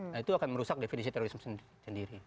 nah itu akan merusak definisi terorisme sendiri